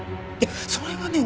それがね